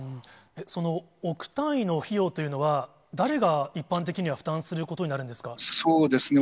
その億単位の費用というのは、だれが一般的には負担することになるんですか。